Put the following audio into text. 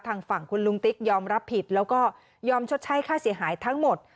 ทางฝั่งคุณลุงติ๊กยอมรับผิดแล้วก็ยอมชดใช้ค่าเสียหายทั้งหมด